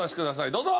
どうぞ！